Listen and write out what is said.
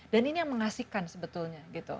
dan ini yang mengasihkan sebetulnya